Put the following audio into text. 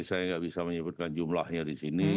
saya nggak bisa menyebutkan jumlahnya di sini